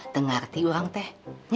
tengah arti orang teh